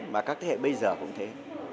và các thế hệ bây giờ cũng thế